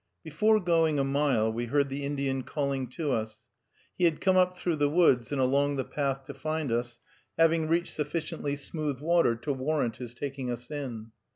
Before going a mile we heard the Indian calling to us. He had come up through the woods and along the path to find us, having reached sufficiently smooth water to warrant his taking us in.